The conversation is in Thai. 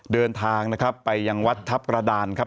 เดินทางนะครับไปยังวัดทัพกระดานครับ